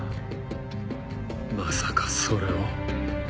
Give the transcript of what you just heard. まさかそれを。